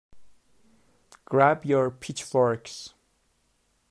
Grab your pitchforks!